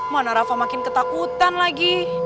mana rafa makin ketakutan lagi